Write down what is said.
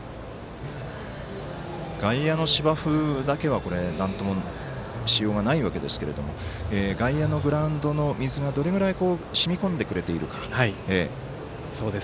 外野の芝生だけはなんともしようがないわけですが外野のグラウンドの水がどれぐらいしみこんでくれているか。